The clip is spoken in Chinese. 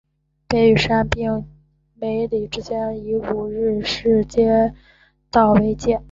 北与杉并区梅里之间以五日市街道为界。